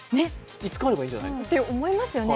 ５日あればいいんじゃない？ね？と思いますよね。